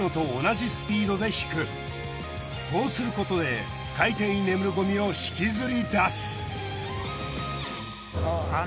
こうすることで海底に眠るごみを引きずり出す。